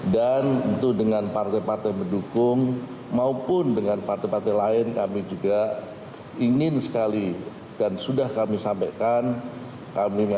dan tentu dengan partai partai golkar kita bisa mencari suasana yang damai